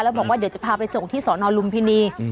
แล้วบอกว่าเดี๋ยวจะพาไปส่งที่สอนอลุมพินี